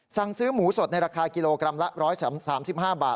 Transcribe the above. สั่งซื้อหมูสดในราคากิโลกรัมละ๑๓๕บาท